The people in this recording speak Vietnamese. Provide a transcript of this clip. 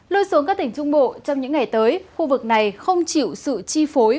lưu xuống các tỉnh trung bộ trong những ngày tới khu vực này không chịu sự chi phối